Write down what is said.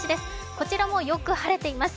こちらもよく晴れています。